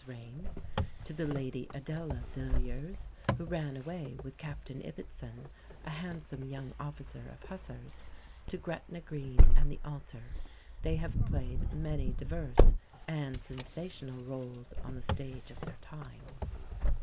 's reign, to the Lady Adela Villiers who ran away with Captain Ibbetson, a handsome young officer of Hussars, to Gretna Green and the altar, they have played many diverse and sensational rôles on the stage of their time.